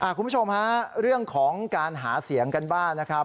คุณผู้ชมฮะเรื่องของการหาเสียงกันบ้างนะครับ